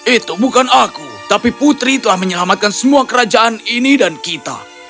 itu bukan aku tapi putri telah menyelamatkan semua kerajaan ini dan kita